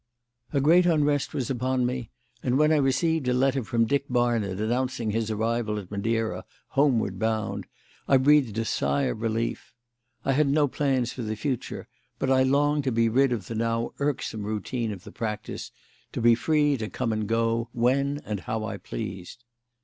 A great unrest was upon me; and when I received a letter from Dick Barnard announcing his arrival at Madeira, homeward bound, I breathed a sigh of relief. I had no plans for the future, but I longed to be rid of the, now irksome, routine of the practice to be free to come and go when and how I pleased.